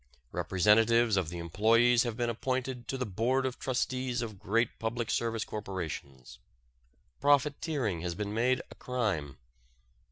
Representatives of the employees have been appointed to the Board of Trustees of great public service corporations. Profiteering has been made a crime.